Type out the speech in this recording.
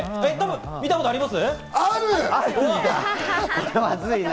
見たことあります？